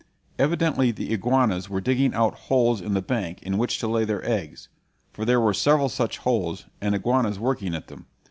Evidently the iguanas were digging out holes in the bank in which to lay their eggs; for there were several such holes, and iguanas working at them.